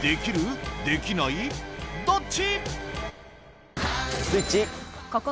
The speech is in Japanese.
どっち？